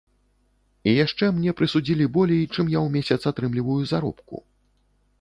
І яшчэ, мне прысудзілі болей, чым я ў месяц атрымліваю заробку.